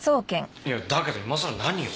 だけど今さら何を？